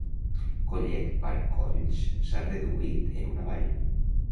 Collet part Colls s'ha reduït en una vall.